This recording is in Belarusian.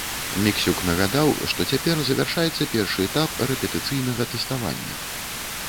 Міксюк нагадаў, што цяпер завяршаецца першы этап рэпетыцыйнага тэставання.